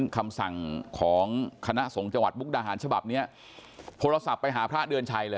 คำสั่งของคณะสงฆ์จังหวัดมุกดาหารฉบับเนี้ยโทรศัพท์ไปหาพระเดือนชัยเลย